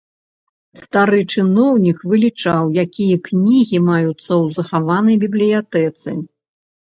Стары чыноўнік вылічаў, якія кнігі маюцца ў захаванай бібліятэцы.